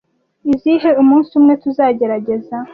Izihe. Umunsi umwe tuzagerageza